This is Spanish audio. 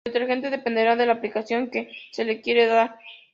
El detergente dependerá de la aplicación que se le quiera dar.